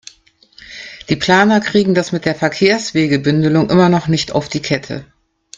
Die Planer kriegen das mit der Verkehrswegebündelung immer noch nicht auf die Kette.